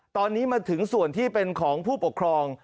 ตอนนี้มาถึงส่วนที่เป็นของผู้ปกครอง